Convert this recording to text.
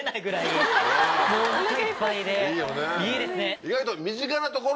いいですね。